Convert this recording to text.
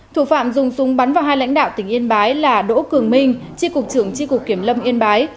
thủ phạm dùng súng bắn vào hai lãnh đạo tỉnh yên bái là đỗ cường minh tri cục trưởng tri cục kiểm lâm yên bái